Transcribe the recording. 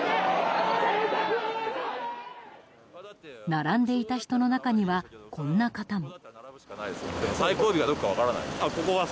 並んでいた人の中にはこんな方も。